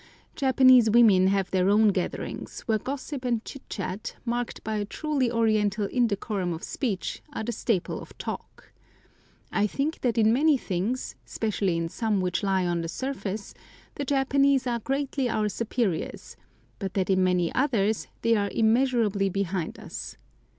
Japanese women have their own gatherings, where gossip and chit chat, marked by a truly Oriental indecorum of speech, are the staple of talk. I think that in many things, specially in some which lie on the surface, the Japanese are greatly our superiors, but that in many others they are immeasurably behind us.